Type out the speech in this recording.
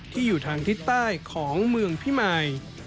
ที่อยู่ทางทิศใต้ของเมืองพิมาย